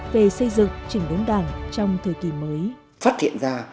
về xây dựng trình đống đảng trong thời kỳ mới